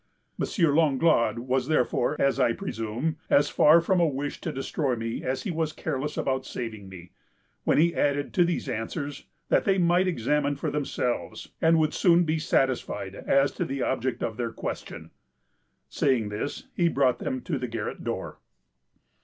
M. Langlade was, therefore, as I presume, as far from a wish to destroy me as he was careless about saving me, when he added to these answers, that 'they might examine for themselves, and would soon be satisfied as to the object of their question.' Saying this, he brought them to the garret door.